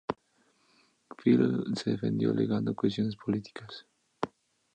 Phil se defendió alegando cuestiones políticas.